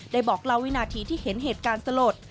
บอกเล่าวินาทีที่เห็นเหตุการณ์สลด